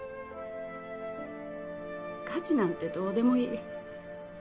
価値なんてどうでもいい。